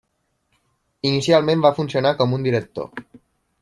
Inicialment va funcionar com un director.